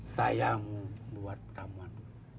saya mau buat pertamuan